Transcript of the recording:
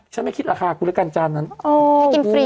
ฉันไม่คิดราคาคู่และการจานนั้นโอ้ยกินฟรี